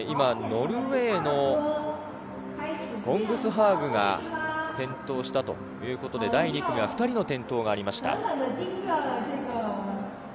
ノルウェーのコングスハーグが転倒したということで、第２組は２人の転倒がありました。